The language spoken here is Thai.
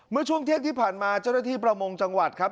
เมื่อช่วงเที่ยงที่ผ่านมาเจ้าหน้าที่ประมงจังหวัดครับ